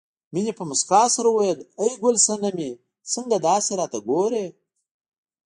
مينې په مسکا سره وویل ای ګل سنمې څنګه داسې راته ګورې